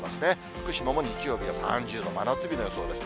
福島も日曜日は３０度、真夏日の予想です。